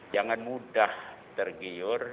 jangan mudah tergiur